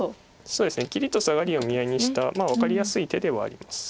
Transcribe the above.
そうですね切りとサガリを見合いにした分かりやすい手ではあります。